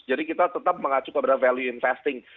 jadi kita tetap mengacu kepada value investing